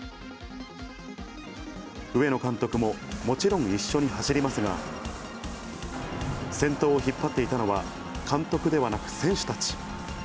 上野監督も、もちろん一緒に走りますが、先頭を引っ張っていたのは、監督ではなく選手たち。